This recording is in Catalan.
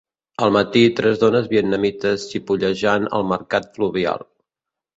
Al matí, tres dones vietnamites xipollejant al mercat fluvial.